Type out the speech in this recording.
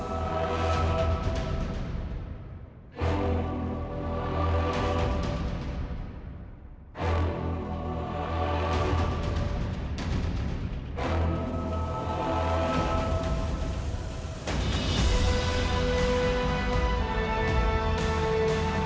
aku mau pergi